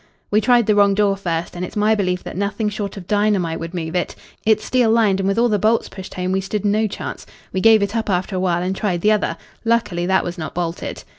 "We tried the wrong door first, and it's my belief that nothing short of dynamite would move it. It's steel lined, and with all the bolts pushed home we stood no chance. We gave it up after awhile and tried the other. Luckily that was not bolted."